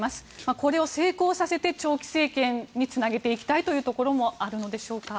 これを成功させて長期政権につなげていきたいというところもあるのでしょうか。